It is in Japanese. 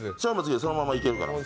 そのままいけるから。